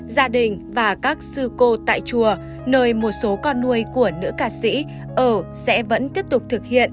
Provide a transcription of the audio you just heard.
gia đình và các sư cô tại chùa nơi một số con nuôi của nữ ca sĩ ở sẽ vẫn tiếp tục thực hiện